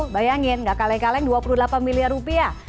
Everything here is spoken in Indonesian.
bayangin gak kaleng kaleng dua puluh delapan miliar rupiah